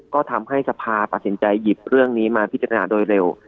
ก็ทำให้สภาตัดสินใจหยิบเรื่องนี้มาพิจารณาโดยเร็ว